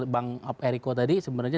bang ericko tadi sebenarnya